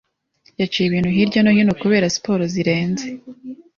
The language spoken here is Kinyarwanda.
yaciye ibintu hirya no hino kubera siporo zirenze